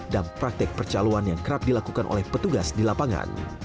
dan praktek percaluan yang kerap dilakukan oleh petugas di lapangan